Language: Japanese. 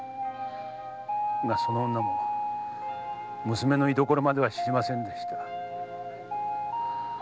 がその女も娘の居どころまでは知りませんでした。